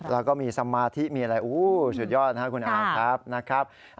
แล้วก็มีสมาธิมีอะไรสุดยอดนะครับคุณอาครับนะครับ